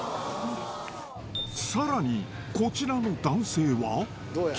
さらに、こちらの男性は。